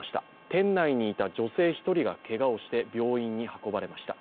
店内にいた女性１人がけがをして病院に運ばれました。